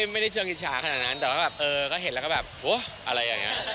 ไม่ได้เชืองอิจฉาขนาดนั้นแต่ว่าแบบเอ้อเพื่อนก็เห็นแล้วแบบโว๊ะอะไรแบบนี้